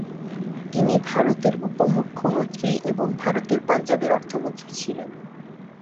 তিনি ভারতের উপ-মুখ্যমন্ত্রী এবং ভারতের পাঞ্জাবের অর্থমন্ত্রী ছিলেন।